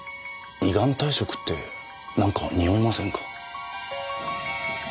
依願退職ってなんかにおいませんか？